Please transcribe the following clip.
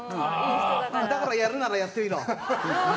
だから、やるならやってみろ。